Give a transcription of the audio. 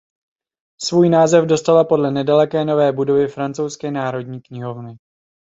Svůj název dostala podle nedaleké nové budovy Francouzské národní knihovny.